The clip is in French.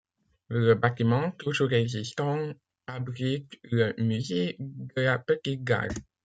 Le bâtiment, toujours existant, abrite le Musée de la Petite-Gare.